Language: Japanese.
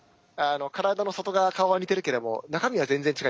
体の外側顔は似てるけども中身は全然違います。